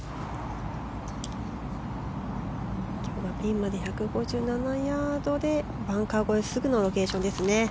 ピンまで１５７ヤードでバンカー越えすぐのロケーションですね。